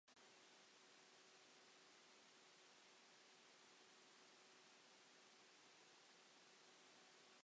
Cyfrol o englynion gan wahanol feirdd dienw yw Englynion Piws.